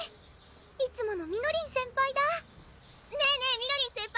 いつものみのりん先輩だねぇねぇみのりん先輩！